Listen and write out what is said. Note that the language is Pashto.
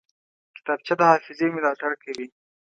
کتابچه د حافظې ملاتړ کوي